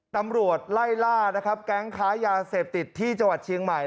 ตำรวจไล่ล่านะครับแก๊งค้ายาเสพติดที่จังหวัดเชียงใหม่